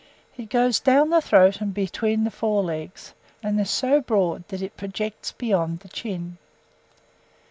It goes down the throat and between the fore legs, and is so broad that it projects beyond the chin.